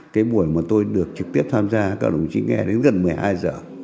cái buổi mà tôi được trực tiếp tham gia các đồng chí nghe đến gần một mươi hai giờ